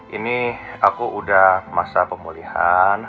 ini aku udah masa pemulihan